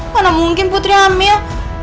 mana mungkin putri amil